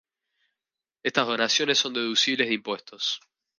Estas donaciones son deducibles de impuestos.